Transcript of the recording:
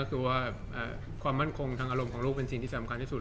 ก็คือว่าความมั่นคงทางอารมณ์ของลูกเป็นสิ่งที่สำคัญที่สุด